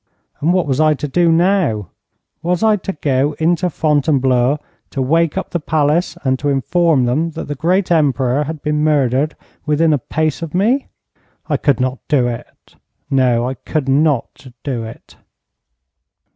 And what was I to do now? Was I to go into Fontainebleau, to wake up the palace, and to inform them that the great Emperor had been murdered within a pace of me? I could not do it no, I could not do it!